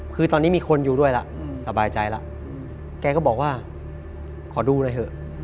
คือตอนนี้มีคนอยู่ด้วยแล้วสบายใจแล้วแกก็บอกว่าขอดูหน่อยเถอะ